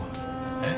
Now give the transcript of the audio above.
えっ？